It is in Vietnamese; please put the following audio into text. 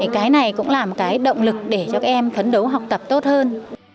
cái này cũng là một cái động lực để cho các em phấn đấu học tập tốt hơn